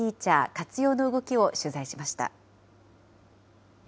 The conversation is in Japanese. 活用の動きを取材しました。